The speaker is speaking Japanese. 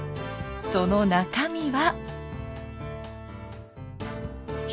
その中身は。